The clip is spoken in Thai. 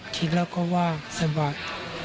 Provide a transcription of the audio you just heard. คิดแล้วก็ว่าสะบัด